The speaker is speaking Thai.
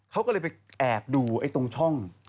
เขาก็เลยไปแอบดูตรงช่อง